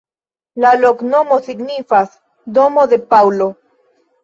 La loknomo signifas: domo de Paŭlo.